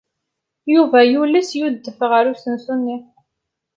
Yuba yules yudef ɣer usensu-nni.